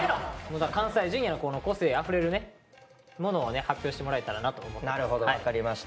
関西Ｊｒ．の個性あふれるものをね発表してもらえたらなと思ってます。